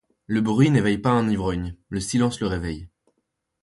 Le bruit n’éveille pas un ivrogne, le silence le réveille.